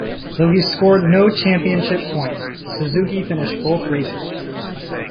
Though he scored no championship points, Suzuki finished both races.